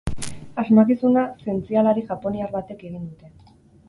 Asmakizuna zientzialari japoniar batek egin dute.